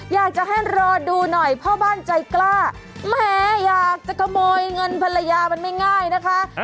อยากจะให้รอดูหน่อยพ่อบ้านใจกล้าแหมอยากจะขโมยเงินภรรยามันไม่ง่ายนะคะ